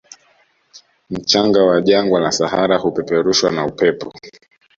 Mchanga wa jangwa la sahara hupeperushwa na upepo